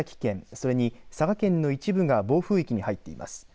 それに佐賀県の一部が暴風域に入っています。